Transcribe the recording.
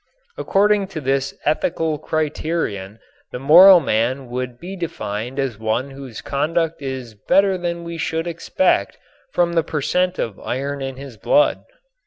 According to this ethical criterion the moral man would be defined as one whose conduct is better than we should expect from the per cent. of iron in his blood.